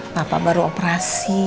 papa baru operasi